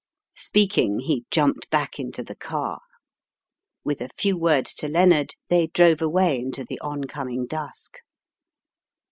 Speaking, he jumped back into the car. With a few words to Lennard, they drove away into the oncoming dusk.